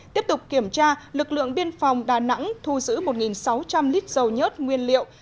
tiếp tục kiểm tra lực lượng biên phòng đà nẵng thu giữ một sáu trăm linh lít dầu nhất nguyên liệu